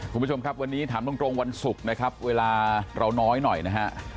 คุณผู้ชมครับวันนี้ถามตรงวันศุกร์นะครับเวลาเราน้อยหน่อยนะฮะ